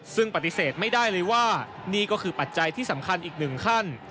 ซึ่งปฏิเสธไม่ได้เลยว่านี่ก็คือปัจจัยที่สำคัญอีกหนึ่งขั้น